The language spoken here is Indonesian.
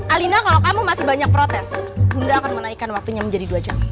alina kalau kamu masih banyak protes bunda akan menaikkan waktunya menjadi dua jam